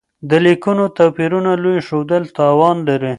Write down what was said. د ليکنيو توپيرونو لوی ښودل تاوان لري.